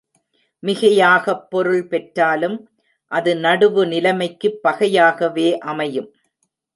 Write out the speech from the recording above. மிகையாகப் பொருள் பெற்றாலும் அது நடுவுநிலைமைக்குப் பகையாகவே அமையும்.